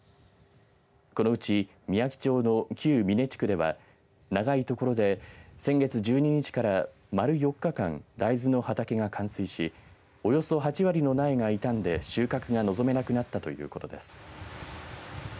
このうちみやき町の旧三根地区では長いところで、先月１２日から丸４日間、大豆の畑が冠水しおよそ８割の苗が傷んで収穫が望めなくなったということです。